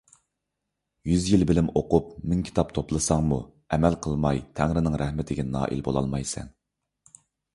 يۈز يىل بىلىم ئوقۇپ مىڭ كىتاب توپلىساڭمۇ ئەمەل قىلماي تەڭرىنىڭ رەھمىتىگە نائىل بولالمايسەن.